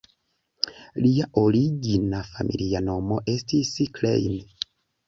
Lia origina familia nomo estis "Klein".